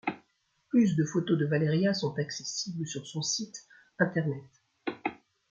Plus de photos de Valeria sont accessibles sur son site internet.